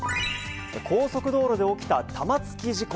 高速道路で起きた玉突き事故。